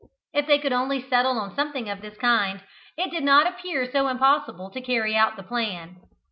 If they could only settle on something of this kind, it did not appear so impossible to carry out the plan.